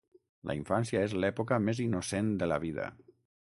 La infància és l'època més innocent de la vida.